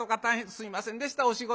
すいませんでしたお仕事中に。